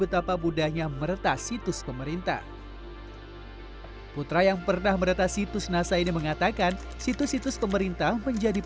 lalu siapa sebenarnya entitas bernama biorka ini